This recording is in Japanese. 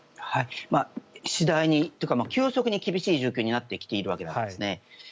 次第にというか急速に厳しい状況になってきているわけなんですね。